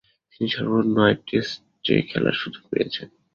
তিনি সর্বমোট নয় টেস্ট খেলার সুযোগ পেয়েছেন।